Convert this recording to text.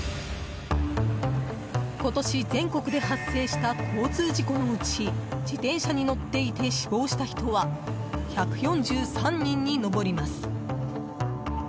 今年全国で発生した交通事故のうち自転車に乗っていて死亡した人は１４３人に上ります。